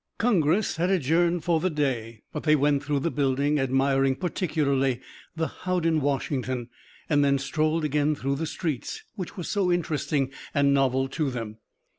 Congress had adjourned for the day, but they went through the building, admiring particularly the Houdon Washington, and then strolled again through the streets, which were so interesting and novel to them.